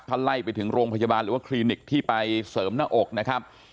ถ้าไล่ไปถึงโรงพยาบาลหรือว่าคลินิกที่ไปเสริมหน้าอกนะครับ